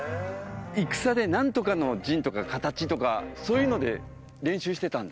戦で何とかの陣とか形とかそういうので練習してたんだ。